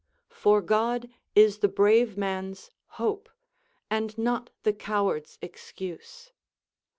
t For God is the brave man's hope, and not the coward's excuse.